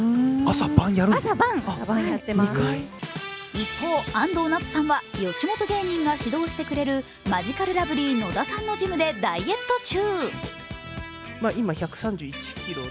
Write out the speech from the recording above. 一方、安藤なつさんは吉本芸人が指導してくれるマヂカルラブリー・野田さんのジムでダイエット中。